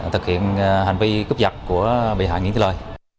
thực hiện hành vi cướp giật của bị hại nguyễn thế lợi